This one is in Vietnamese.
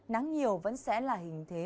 nắng nhiều vẫn sẽ là hình thế